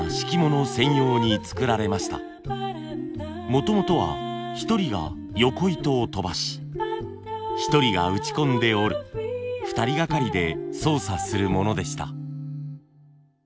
もともとは１人がよこ糸を飛ばし１人が打ち込んで織る２人掛かりで操作するものでした。